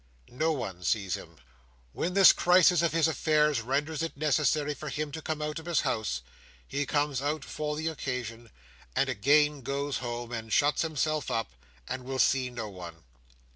"No one sees him. When this crisis of his affairs renders it necessary for him to come out of his house, he comes out for the occasion, and again goes home, and shuts himself up, and will see no one.